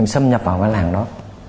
xâm nhập vào cái làng đó